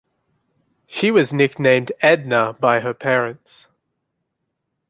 She was nicknamed Edna by her parents.